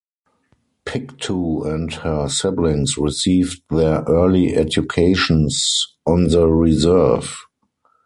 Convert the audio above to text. Pictou and her siblings received their early educations on the reserve.